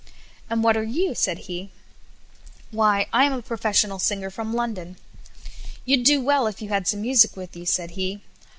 "And what are you?" said he. "Why, I am a professional singer from London." "You'd do well, if you had some music with you," said he.